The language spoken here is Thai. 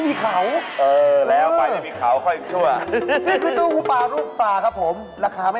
นี่เต้าหู้ปลารูปปลา